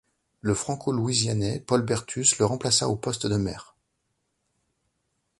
Le franco-louisianais Paul Bertus le remplaça au poste de maire.